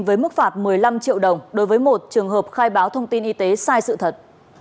với mức phạt một mươi năm triệu đồng đối với một trường hợp khai báo thông tin y tế sai sự thật